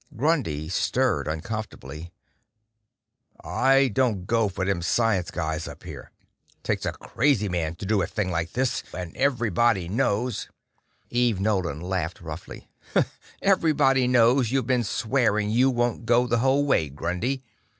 Grundy stirred uncomfortably. "I don't go for them science guys up here. Takes a crazy man to do a thing like this, and everybody knows...." Eve Nolan laughed roughly. "Everybody knows you've been swearing you won't go the whole way, Grundy.